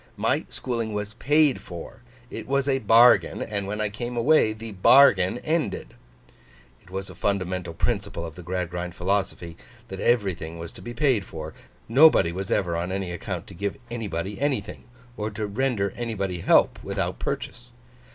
My schooling was paid for; it was a bargain; and when I came away, the bargain ended.' It was a fundamental principle of the Gradgrind philosophy that everything was to be paid for. Nobody was ever on any account to give anybody anything, or render anybody help without purchase.